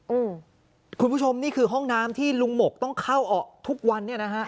คุณผู้ชมนี่คือห้องน้ำที่ลุงหมกต้องเข้าออกทุกวันเนี่ยนะฮะ